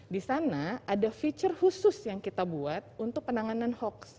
di sana ada fitur khusus yang kita buat untuk penanganan hoax